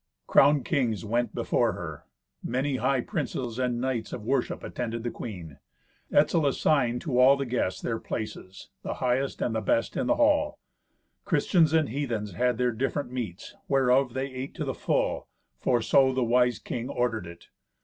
Crowned kings went before her; many high princes and knights of worship attended the queen. Etzel assigned to all the guests their places, the highest and the best in the hall. Christians and heathens had their different meats, whereof they ate to the full; for so the wise king ordered it.